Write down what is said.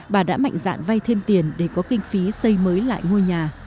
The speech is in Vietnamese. bà đã mạnh dạn vay thêm tiền để có kinh phí xây mới lại ngôi nhà